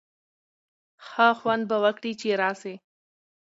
ښه خوند به وکړي چي راسی.